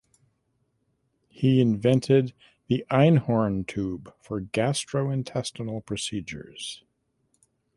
He invented the Einhorn tube for gastrointestinal procedures.